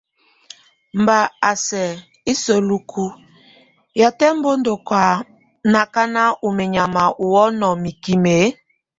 Batʼ á sɛk iseluk, yatɛ́ bɔkʼ o nakana o menyama ʼhɔ́ wɔnɔ mikim e?